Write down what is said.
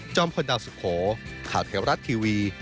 จอมพลดาสุโขข่าวไทยรัฐทีวี